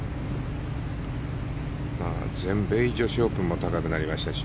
全米女子オープンも高くなりましたし